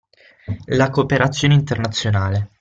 La cooperazione internazionale.